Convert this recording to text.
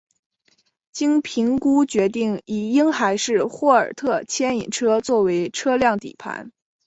经评估决定以婴孩式霍尔特牵引车作为车辆底盘。